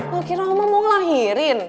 lo kira oma mau ngelahirin